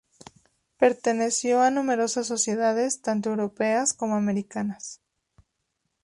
Perteneció a numerosas sociedades tanto europeas como americanas.